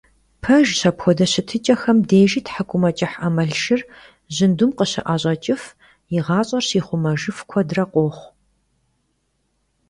Пэжщ, апхуэдэ щытыкIэхэм дежи тхьэкIумэкIыхь Iэмалшыр жьындум къыщыIэщIэкIыф, и гъащIэр щихъумэжыф куэдрэ къохъу.